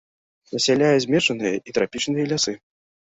Насяляе змешаныя і трапічныя лясы.